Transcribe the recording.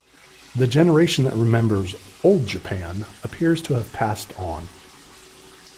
The generation that remembers "Old Japan" appears to have passed on.